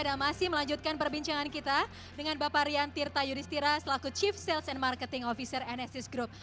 dan masih melanjutkan perbincangan kita dengan bapak rian tirta yudhistira selaku chief sales and marketing officer anesthesia group